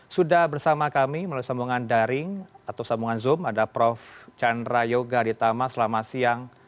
sudah bersama kami melalui sambungan daring atau sambungan zoom ada prof chandra yoga ditama selamat siang